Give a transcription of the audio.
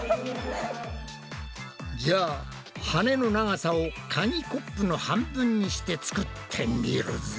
じゃあ羽の長さを紙コップの半分にして作ってみるぞ。